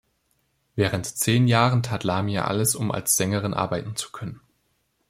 Während zehn Jahren tat Lamia alles, um als Sängerin arbeiten zu können.